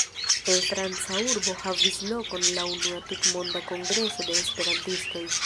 En franca urbo havis lokon la unua tutmonda kongreso de Esperantistoj.